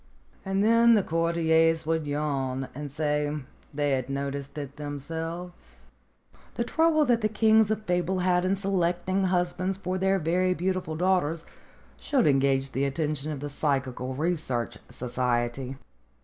And then the courtiers would yawn and say they had noticed it themselves. II The trouble that the kings of fable had in selecting husbands for their very beautiful daughters should 332 STORIES WITHOUT TEARS engage the attention of the Psychical Research So ciety.